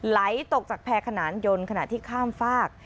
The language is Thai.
ไหลตกจากแพร่ขนานยนต์ขณะที่ข้ามฝาก